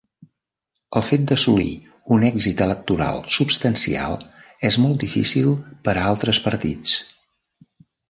El fet d'assolir un èxit electoral substancial és molt difícil per a altres partits.